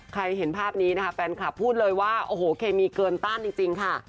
เห็นภาพนี้นะคะแฟนคลับพูดเลยว่าโอ้โหเคมีเกินต้านจริงค่ะ